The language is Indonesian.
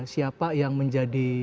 siapa yang menjadi